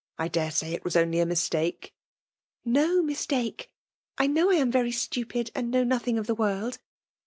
I dsve si^ it was oiily a mistake. *'No mistake!— 4 know X am very stsi]^ mnd know nothing of the world.